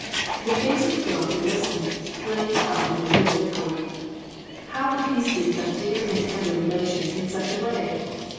The face of the girl who listened, flamed up into vivid color. How could he speak of dear and tender relations in such a way